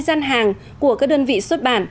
gian hàng của các đơn vị xuất bản